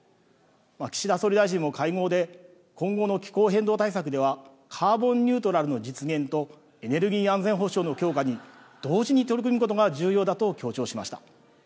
岸田総理大臣も会合で、今後の気候変動対策では、カーボンニュートラルの実現と、エネルギー安全保障の強化に同時に取り組むことが重要だと強調しました。